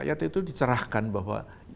rakyat itu dicerahkan bahwa